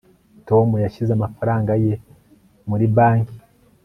tom yashyize amafaranga ye muri banki